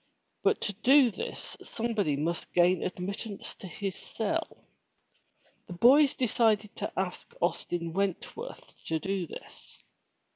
But to do this somebody must gain admittance to his cell. The boys decided to ask Austin Wentworth to do this.